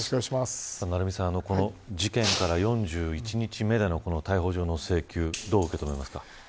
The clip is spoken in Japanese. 事件から４１日目での逮捕状の請求、どう受け止めますか。